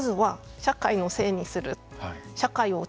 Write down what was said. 社会のせいにする？